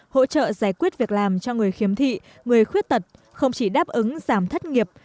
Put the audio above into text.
hỗ trợ giải quyết việc làm cho người khiếm thị người khuyết tật không chỉ đáp ứng giảm thất nghiệp